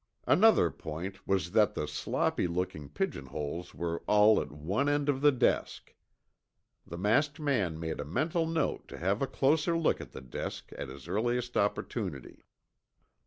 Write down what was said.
Another point was that the sloppy looking pigeonholes were all at one end of the desk. The masked man made a mental note to have a closer look at the desk at his earliest opportunity.